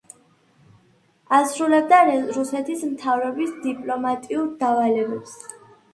ასრულებდა რუსეთის მთავრობის დიპლომატიურ დავალებებს.